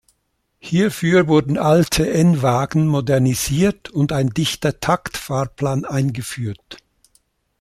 Hierfür wurden alte n-Wagen modernisiert und ein dichter Taktfahrplan eingeführt.